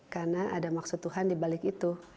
karena ada maksud tuhan di balik itu